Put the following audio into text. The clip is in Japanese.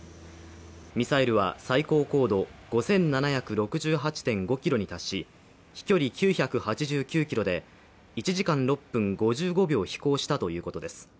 ミサイルは最高高度５７６８．５ｋｍに達し飛距離９８９ｋｍで１時間６分５５秒飛行したということです。